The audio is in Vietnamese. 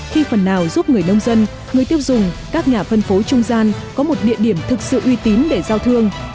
khi phần nào giúp người nông dân người tiêu dùng các nhà phân phối trung gian có một địa điểm thực sự uy tín để giao thương